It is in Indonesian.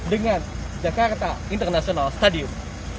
dengan jakarta international stadium